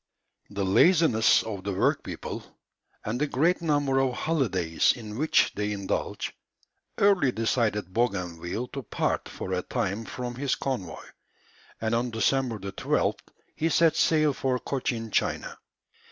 The laziness of the workpeople, and the great number of holidays in which they indulge, early decided Bougainville to part for a time from his convoy, and on December 12th he set sail for Cochin China.